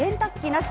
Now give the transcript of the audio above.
なし！